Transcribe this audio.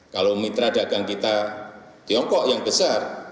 kalau mitra dagang kita tiongkok yang besar